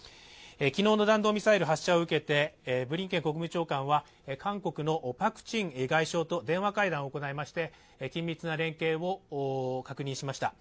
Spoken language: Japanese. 昨日の弾道ミサイル発射を受けてブリンケン国務長官は韓国のパク・チン外相と電話会談を行いまして緊密な連携を確認しました。